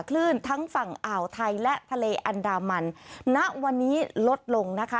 คลื่นทั้งฝั่งอ่าวไทยและทะเลอันดามันณวันนี้ลดลงนะคะ